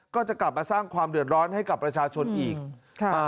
ก็จะกลับมาสร้างความเดือดร้อนให้กับประชาชนอีกค่ะอ่า